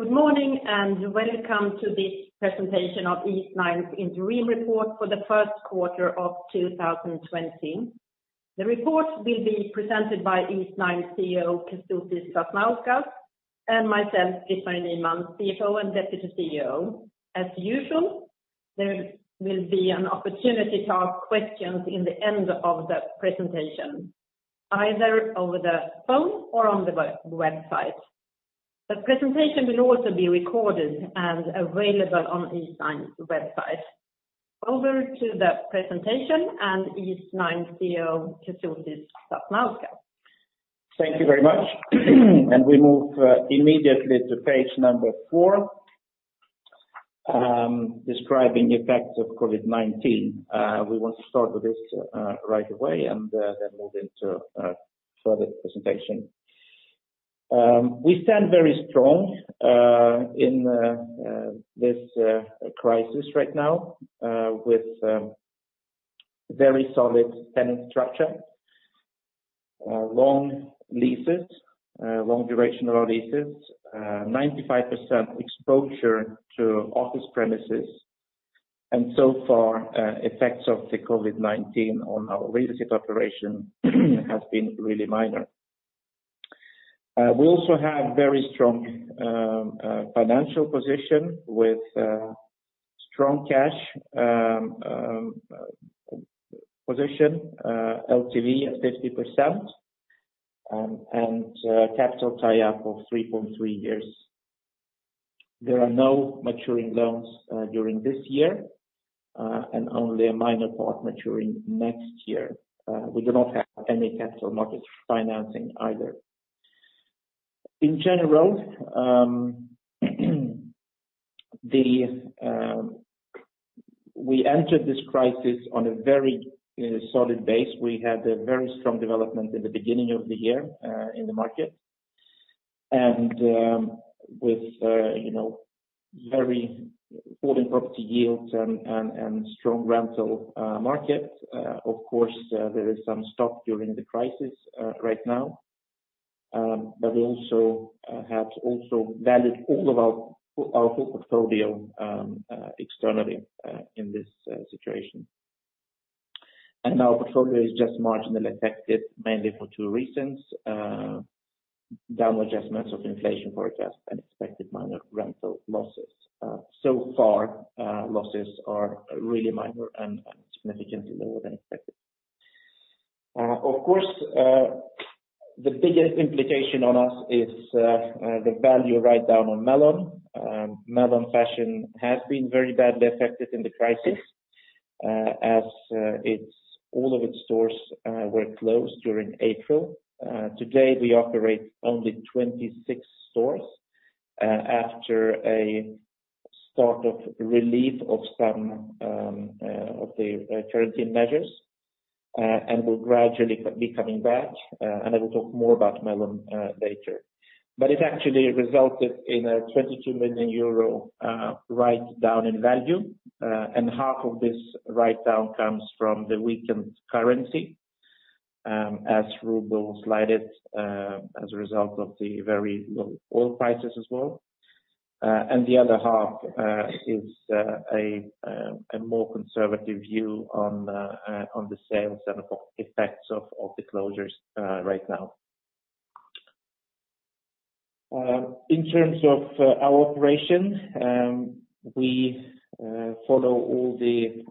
Good morning, welcome to this presentation of Eastnine's interim report for the first quarter of 2020. The report will be presented by Eastnine CEO Kestutis Sasnauskas and myself, Britt-Marie Nyman, CFO and Deputy CEO. As usual, there will be an opportunity to ask questions in the end of the presentation, either over the phone or on the website. The presentation will also be recorded and available on Eastnine's website. Over to the presentation and Eastnine CEO, Kestutis Sasnauskas. Thank you very much. We move immediately to page four, describing effects of COVID-19. We want to start with this right away and then move into further presentation. We stand very strong in this crisis right now, with very solid tenant structure, long duration of our leases, 95% exposure to office premises. So far, effects of the COVID-19 on our real estate operation has been really minor. We also have very strong financial position with strong cash position, LTV at 50%, and capital tie-up of 3.3 years. There are no maturing loans during this year, and only a minor part maturing next year. We do not have any capital market financing either. In general, we entered this crisis on a very solid base. We had a very strong development in the beginning of the year in the market, with very falling property yields and strong rental market. Of course, there is some stop during the crisis right now, we have also valued our whole portfolio externally in this situation. Our portfolio is just marginally affected, mainly for two reasons: down adjustments of inflation forecast and expected minor rental losses. Far, losses are really minor and significantly lower than expected. Of course, the biggest implication on us is the value write-down on Melon. Melon Fashion has been very badly affected in the crisis as all of its stores were closed during April. Today, we operate only 26 stores after a start of relief of some of the quarantine measures, and will gradually be coming back. I will talk more about Melon later. It actually resulted in a 22 million euro write-down in value. Half of this write-down comes from the weakened currency, as ruble slided as a result of the very low oil prices as well. The other half is a more conservative view on the sales and effects of the closures right now. In terms of our operation, we follow all the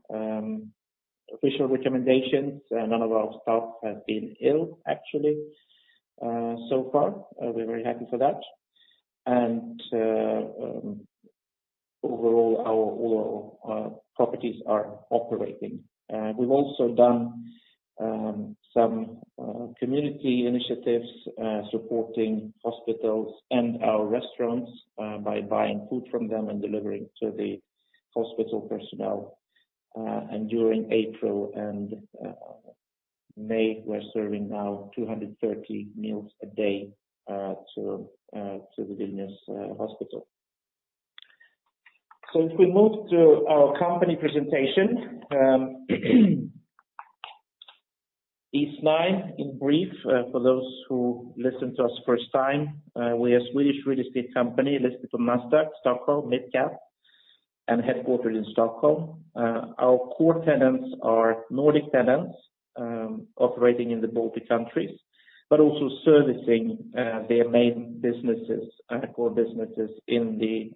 official recommendations. None of our staff have been ill actually so far. We're very happy for that. Overall, all our properties are operating. We've also done some community initiatives supporting hospitals and our restaurants by buying food from them and delivering to the hospital personnel. During April and May, we're serving now 230 meals a day to the Vilnius hospital. If we move to our company presentation. Eastnine in brief, for those who listen to us first time. We are a Swedish real estate company listed on Nasdaq Stockholm Mid Cap and headquartered in Stockholm. Our core tenants are Nordic tenants operating in the Baltic countries, but also servicing their main core businesses in the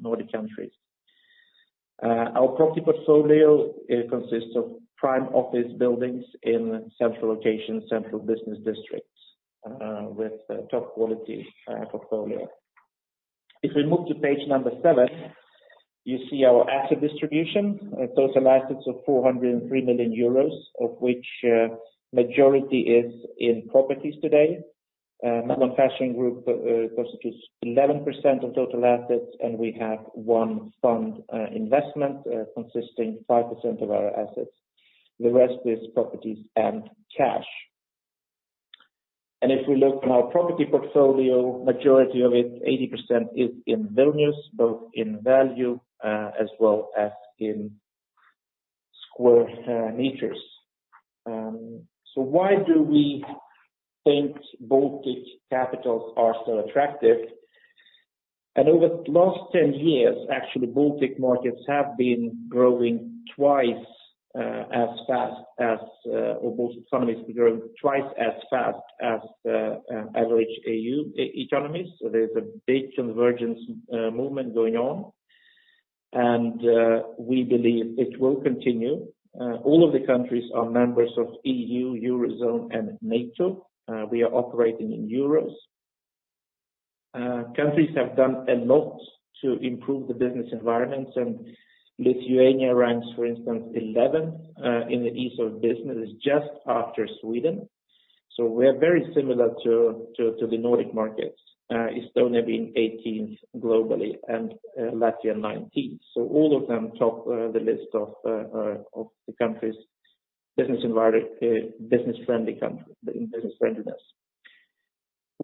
Nordic countries. Our property portfolio consists of prime office buildings in central locations, central business districts with a top-quality portfolio. If we move to page number seven, you see our asset distribution. Total assets of 403 million euros, of which majority is in properties today. Melon Fashion Group constitutes 11% of total assets, we have one fund investment consisting 5% of our assets. The rest is properties and cash. If we look at our property portfolio, majority of it, 80%, is in Vilnius, both in value as well as in square meters. Why do we think Baltic capitals are so attractive? Over the last 10 years, actually, Baltic markets have been growing twice as fast as, or both economies have been growing twice as fast as the average E.U. economies. There's a big convergence movement going on. We believe it will continue. All of the countries are members of E.U., Eurozone, and NATO. We are operating in euros. Countries have done a lot to improve the business environments, Lithuania ranks, for instance, 11th in the ease of business, just after Sweden. We are very similar to the Nordic markets, Estonia being 18th globally and Latvia 19th. All of them top the list of the business-friendly countries in business friendliness.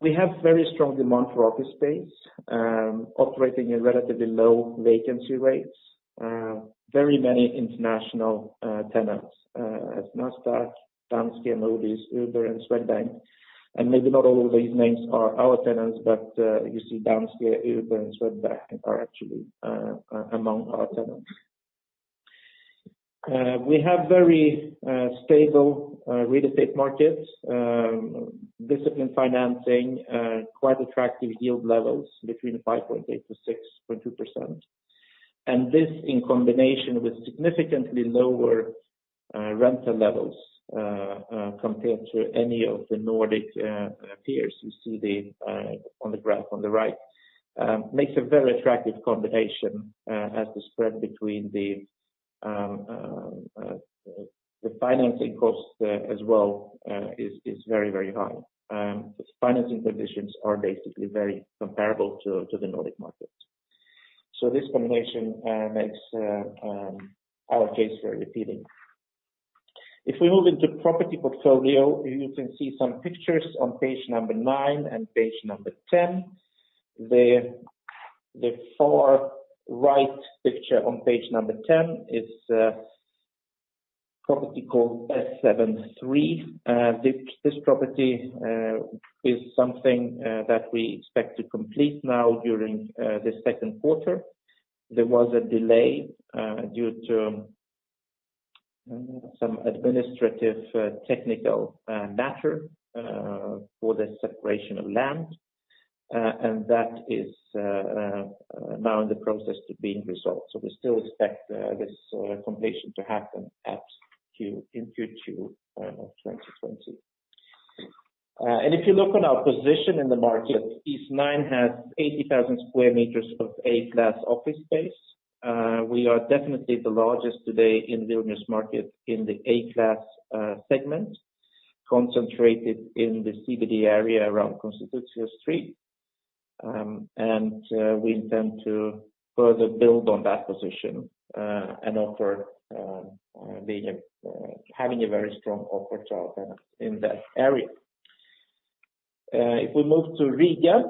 We have very strong demand for office space operating in relatively low vacancy rates. We have very many international tenants as Nasdaq, Danske, Moody's, Uber, and Swedbank. Maybe not all of these names are our tenants, but you see Danske, Uber, and Swedbank are actually among our tenants. We have very stable real estate markets, disciplined financing, quite attractive yield levels between 5.8%-6.2%. This in combination with significantly lower rental levels compared to any of the Nordic peers you see on the graph on the right makes a very attractive combination as the spread between the financing cost as well is very, very high. Financing conditions are basically very comparable to the Nordic markets. This combination makes our case very appealing. If we move into property portfolio, you can see some pictures on page number nine and page number 10. The far right picture on page number 10 is a property called S7-3. This property is something that we expect to complete now during this second quarter. There was a delay due to some administrative technical matter for the separation of land and that is now in the process to being resolved. We still expect this completion to happen in Q2 of 2020. If you look on our position in the market, Eastnine has 80,000 sq m of Class A office space. We are definitely the largest today in Vilnius market in the Class A segment, concentrated in the CBD area around Konstitucijos prospektas and we intend to further build on that position and having a very strong offer in that area. If we move to Riga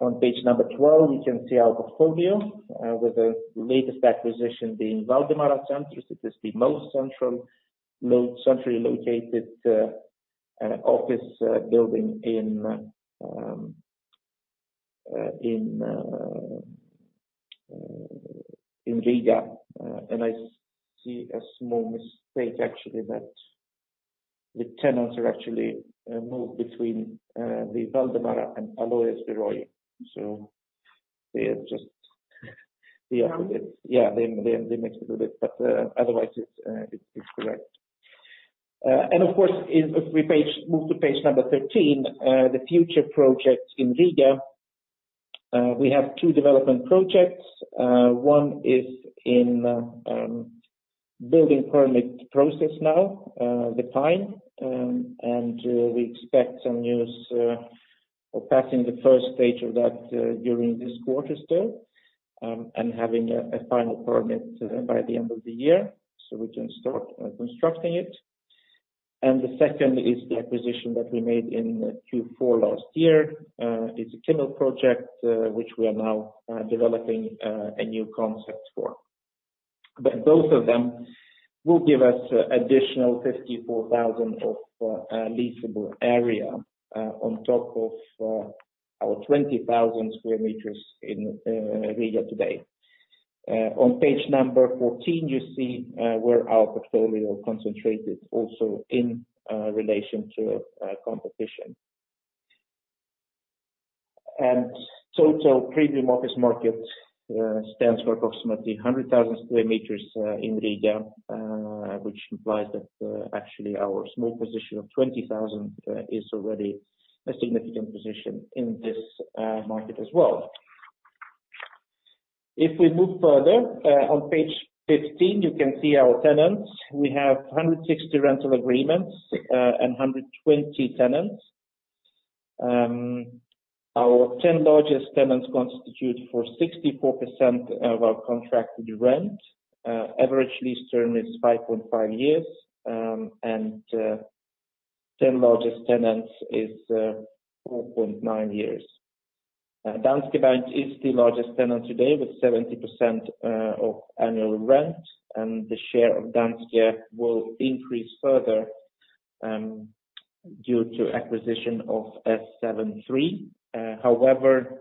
on page number 12, you can see our portfolio with the latest acquisition being Valdemara Centrs. I see a small mistake actually, that the tenants are actually moved between the Valdemara and Alojas iela. They have. Yeah. Yeah, they mixed it a bit, but otherwise it's correct. Of course, if we move to page number 13, the future projects in Riga, we have two development projects. One is in building permit process now, The Pine, and we expect some news or passing the first stage of that during this quarter still and having a final permit by the end of the year so we can start constructing it. The second is the acquisition that we made in Q4 last year, it's a Kimmel project which we are now developing a new concept for. Both of them will give us additional 54,000 of leasable area on top of our 20,000 square meters in Riga today. On page number 14, you see where our portfolio concentrated also in relation to competition. Total premium office market stands for approximately 100,000 sq m in Riga which implies that actually our small position of 20,000 is already a significant position in this market as well. If we move further, on page 15, you can see our tenants. We have 160 rental agreements and 120 tenants. Our 10 largest tenants constitute for 64% of our contracted rent. Average lease term is 5.5 years. 10 largest tenants is 4.9 years. Danske Bank is the largest tenant today with 70% of annual rent, and the share of Danske will increase further due to acquisition of S7-3. However,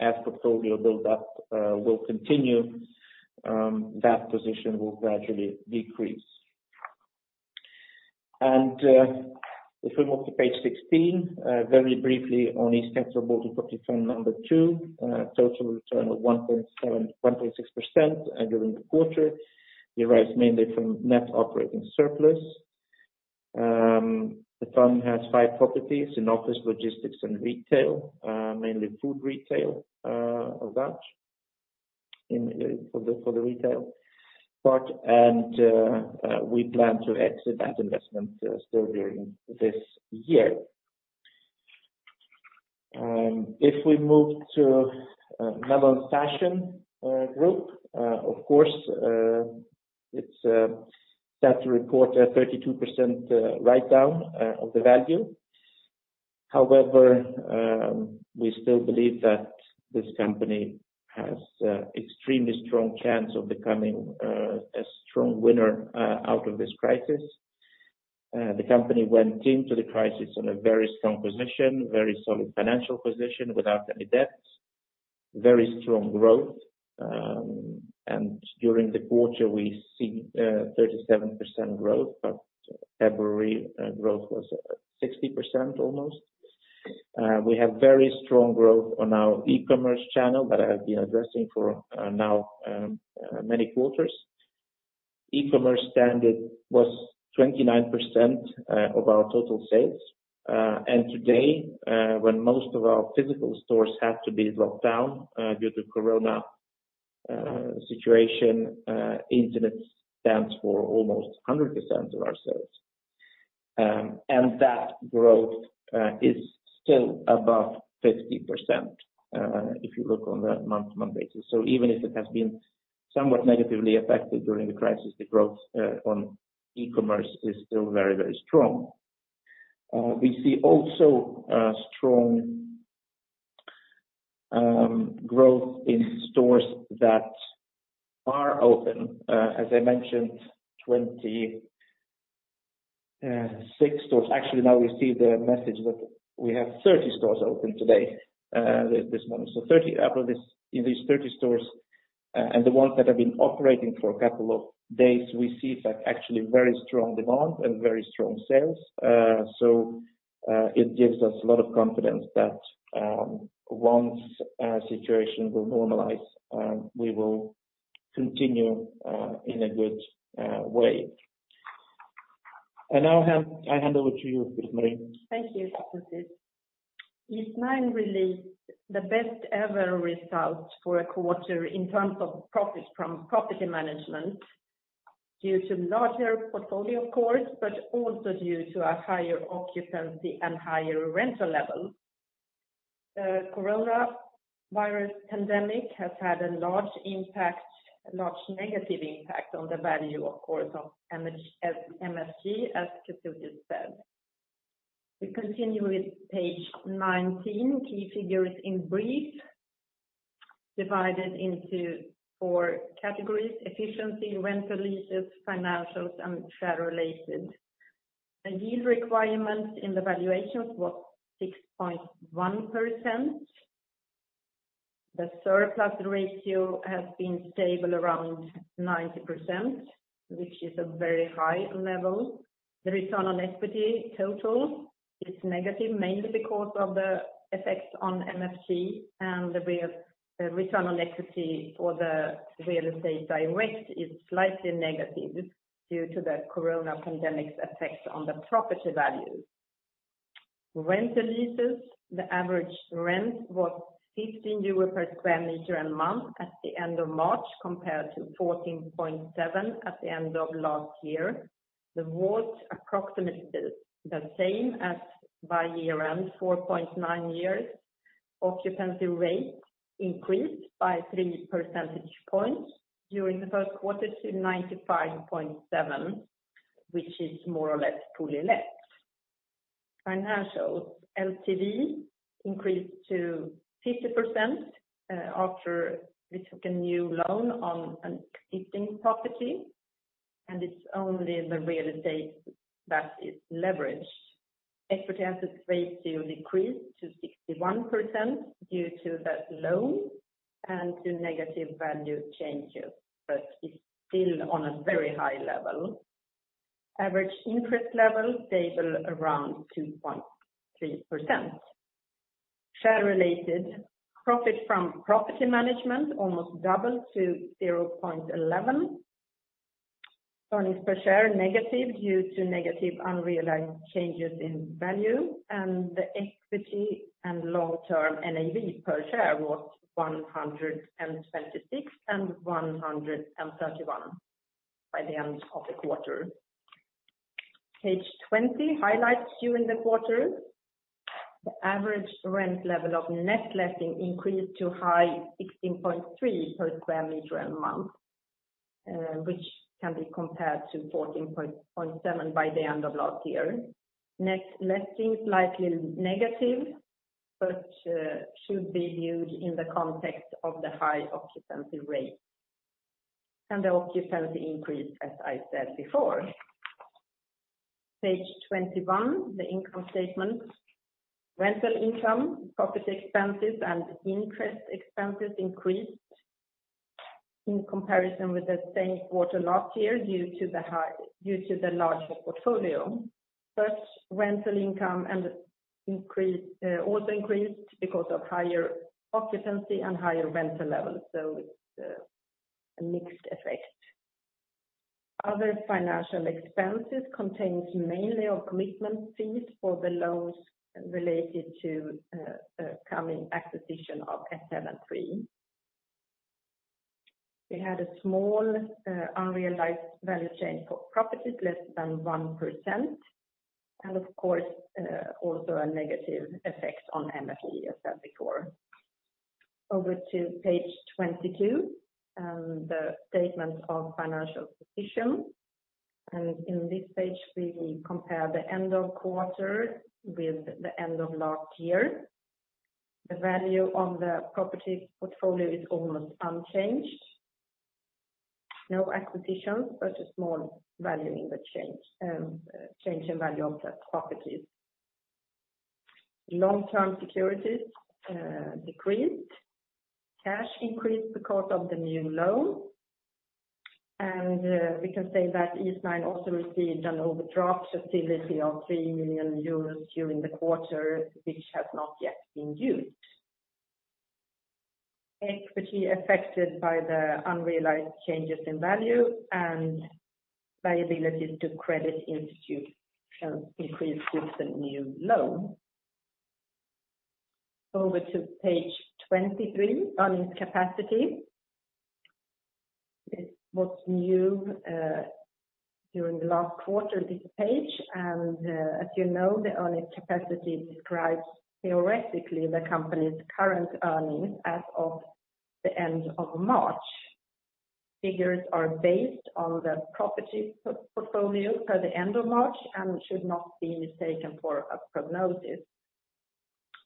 as portfolio build-up will continue, that position will gradually decrease. If we move to page 16, very briefly on Eastnine's report on property fund number two, total return of 1.6% during the quarter derives mainly from net operating surplus. The fund has five properties in office logistics and retail, mainly food retail of that for the retail part, and we plan to exit that investment still during this year. If we move to Melon Fashion Group, of course, it's sad to report a 32% write-down of the value. We still believe that this company has extremely strong chance of becoming a strong winner out of this crisis. The company went into the crisis in a very strong position, very solid financial position without any debts, very strong growth. During the quarter we see 37% growth. February growth was 60% almost. We have very strong growth on our e-commerce channel that I have been addressing for now many quarters. E-commerce standard was 29% of our total sales. Today, when most of our physical stores have to be locked down due to corona situation, internet stands for almost 100% of our sales. That growth is still above 50%, if you look on a month-to-month basis. Even if it has been somewhat negatively affected during the crisis, the growth on e-commerce is still very, very strong. We see also strong growth in stores that are open. As I mentioned, 26 stores. Actually, now we see the message that we have 30 stores open today, this morning. In these 30 stores and the ones that have been operating for a couple of days, we see that actually very strong demand and very strong sales. It gives us a lot of confidence that once situation will normalize, we will continue in a good way. Now I hand over to you, Britt-Marie. Thank you, Kestutis. Eastnine released the best ever result for a quarter in terms of profits from property management due to larger portfolio, of course, but also due to a higher occupancy and higher rental level. Coronavirus pandemic has had a large negative impact on the value, of course, of MFG, as Kestutis said. We continue with page 19, key figures in brief, divided into four categories: efficiency, rental leases, financials, and share related. Yield requirements in the valuation was 6.1%. The surplus ratio has been stable around 90%, which is a very high level. The return on equity total is negative mainly because of the effects on MFG and the return on equity for the real estate direct is slightly negative due to the corona pandemic's effects on the property values. Rental leases. The average rent was 15 euro per sq m a month at the end of March compared to 14.7 at the end of last year. WALT approximately the same as by year end, 4.9 years. Occupancy rate increased by 3 percentage points during the first quarter to 95.7%, which is more or less fully let. Financial LTV increased to 50% after we took a new loan on an existing property. It's only the real estate that is leveraged. Equity assets ratio decreased to 61% due to that loan and to negative value changes. It's still on a very high level. Average interest level stable around 2.3%. Share related profit from property management almost doubled to 0.11. Earnings per share negative due to negative unrealized changes in value and the equity and long term NAV per share was 126 and 131 by the end of the quarter. Page 20. Highlights during the quarter. The average rent level of net letting increased to high 16.3 per sq m a month, which can be compared to 14.7 by the end of last year. Net leasing is likely negative, but should be viewed in the context of the high occupancy rate and the occupancy increase, as I said before. Page 21, the income statement. Rental income, property expenses, and interest expenses increased in comparison with the same quarter last year due to the larger portfolio. Rental income also increased because of higher occupancy and higher rental levels. It's a mixed effect. Other financial expenses contains mainly of commitment fees for the loans related to coming acquisition of S7-3. We had a small unrealized value change for properties less than 1%, and of course, also a negative effect on MFG as said before. Over to page 22, the statement of financial position. On this page, we compare the end of the quarter with the end of last year. The value of the property portfolio is almost unchanged. No acquisitions, a small change in value of the properties. Long-term securities decreased. Cash increased because of the new loan. We can say that Eastnine also received an overdraft facility of 3 million euros during the quarter, which has not yet been used. Equity affected by the unrealized changes in value and liabilities to credit institute increased with the new loan. Over to page 23, earnings capacity. What's new during the last quarter, this page, and as you know, the earnings capacity describes theoretically the company's current earnings as of the end of March. Figures are based on the property portfolio per the end of March and should not be mistaken for a prognosis.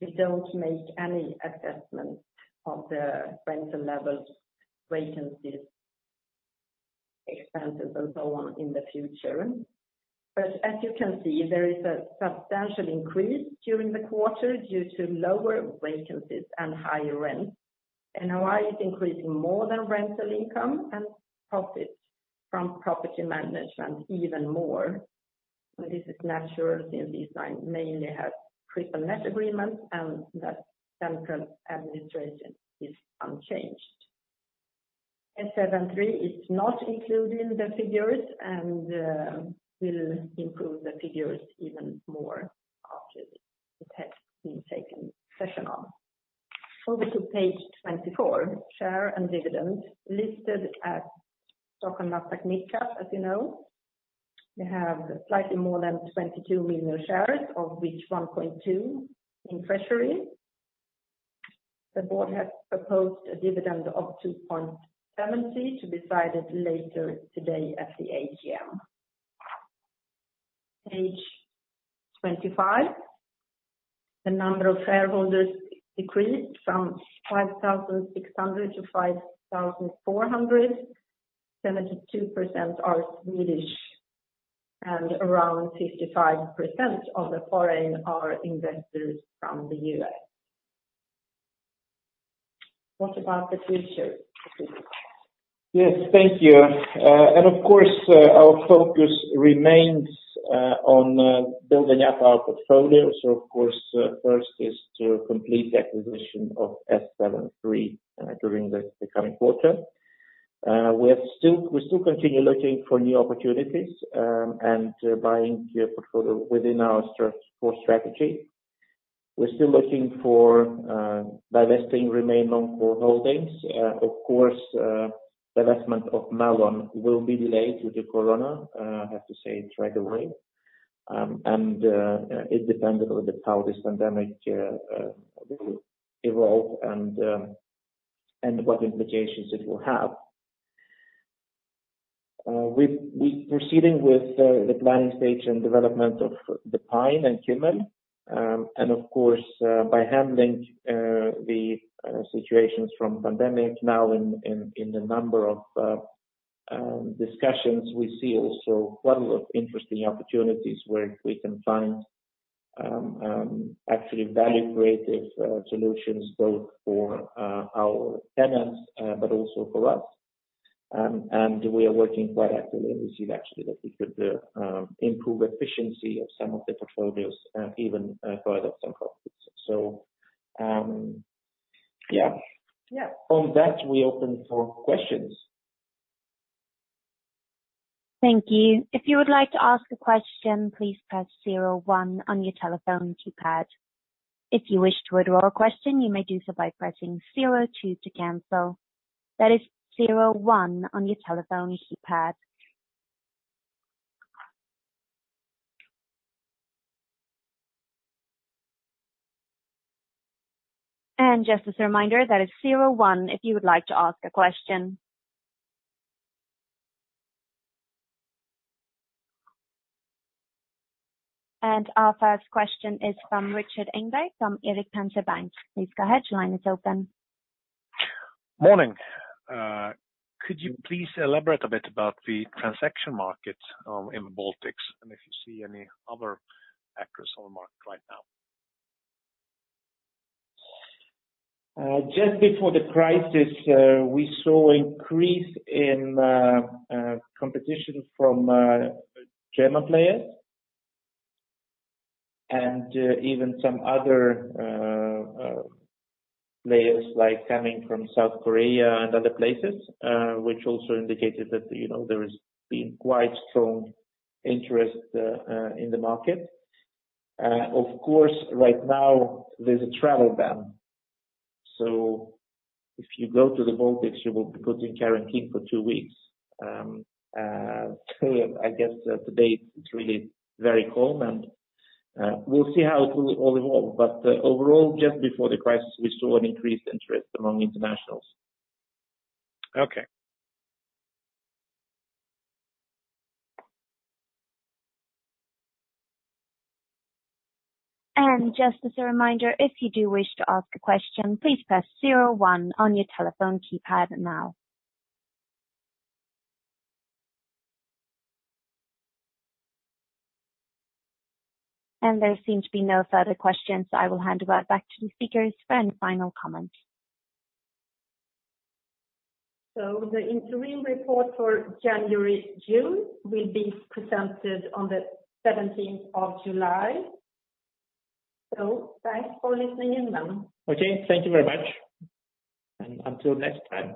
We don't make any assessment of the rental levels, vacancies, expenses, and so on in the future. As you can see, there is a substantial increase during the quarter due to lower vacancies and higher rents. NOI is increasing more than rental income and profit from property management even more. This is natural since Eastnine mainly has triple net agreements and that central administration is unchanged. S7-3 is not included in the figures and will improve the figures even more after it has been taken session on. Over to page 24, share and dividend. Listed at Nasdaq Stockholm Mid Cap, as you know. We have slightly more than 22 million shares, of which 1.2 in treasury. The board has proposed a dividend of 2.70 to be decided later today at the AGM. Page 25. The number of shareholders decreased from 5,600 to 4,400. 72% are Swedish and around 55% of the foreign are investors from the U.S. What about the future, Kestutis? Yes. Thank you. Of course, our focus remains on building up our portfolio. Of course, first is to complete the acquisition of S7-3 during the coming quarter. We still continue looking for new opportunities and buying portfolio within our core strategy. We are still looking for divesting remaining non-core holdings. Of course, divestment of Melon will be delayed due to COVID-19, I have to say it right away. It depends a little bit how this pandemic will evolve and what implications it will have. We are proceeding with the planning stage and development of The Pine and Kimmel. Of course, by handling the situations from pandemic now in the number of discussions, we see also quite a lot of interesting opportunities where we can find actually value creative solutions, both for our tenants but also for us. We are working quite actively. We see actually that we could improve efficiency of some of the portfolios even further some profits. Yeah. On that, we open for questions. Thank you. If you would like to ask a question, please press zero one1 on your telephone keypad. If you wish to withdraw a question, you may do so by pressing zero two to cancel. That is zero one on your telephone keypad. Just as a reminder, that is zero one if you would like to ask a question. Our first question is from Rikard Engberg from Erik Penser Bank. Please go ahead, your line is open. Morning. Could you please elaborate a bit about the transaction market in the Baltics, and if you see any other actors on the market right now? Just before the crisis, we saw increase in competition from German players and even some other players coming from South Korea and other places, which also indicated that there has been quite strong interest in the market. Of course, right now there's a travel ban, so if you go to the Baltics, you will be put in quarantine for two weeks. I guess to date it's really very calm, and we'll see how it will all evolve. Overall, just before the crisis, we saw an increased interest among internationals. Okay. Just as a reminder, if you do wish to ask a question, please press zero one on your telephone keypad now. There seem to be no further questions. I will hand it back to the speakers for any final comments. The interim report for January, June will be presented on the 17th of July. Thanks for listening in then. Okay, thank you very much, and until next time.